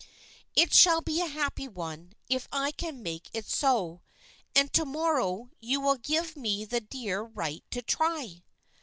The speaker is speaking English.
"It shall be a happy one if I can make it so, and to morrow you will give me the dear right to try."